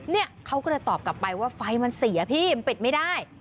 เนี่ยเขาก็เลยตอบกลับไปว่าไฟมันเสียพี่มันปิดไม่ได้